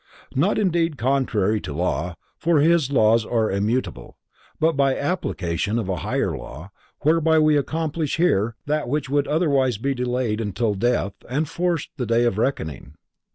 Not indeed contrary to law, for His laws are immutable, but by application of a higher law, whereby we accomplish here that which would otherwise be delayed until death had forced the day of reckoning.